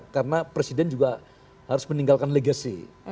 karena presiden juga harus meninggalkan legasi